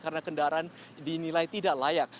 karena kendaraan dinilai tidak layak